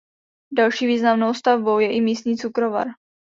Další významnou stavbou je i místní cukrovar.